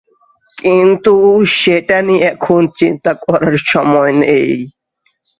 কিন্তু, সেটা নিয়ে এখন চিন্তা করার সময় নেই।